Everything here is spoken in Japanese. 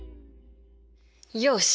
よし！